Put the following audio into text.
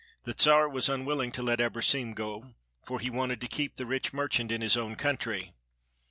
The Czar was unwilling to let Abrosim go, for he wanted to keep the rich merchant in his own country.